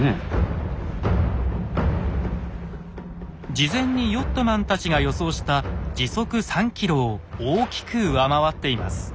事前にヨットマンたちが予想した時速３ｋｍを大きく上回っています。